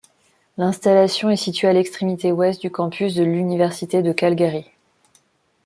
L'installation est située à l'extrémité ouest du campus de l'Université de Calgary.